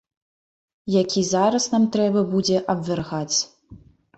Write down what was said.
Які зараз нам трэба будзе абвяргаць.